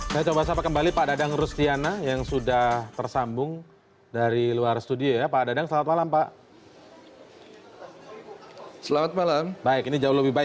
saya coba sapa kembali pak dadang rostiana yang sudah tersambung dari luar studio ya